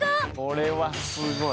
これはすごい。